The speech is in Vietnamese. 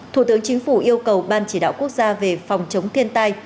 thủ tướng chính phủ yêu cầu ban chỉ đạo quốc gia về phòng chống thiên tai